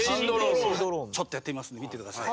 ちょっとやってみますんで見て下さい。